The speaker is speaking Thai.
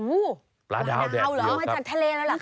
อู้วปลาดาวเหรอมาจากทะเลแล้วล่ะค่ะ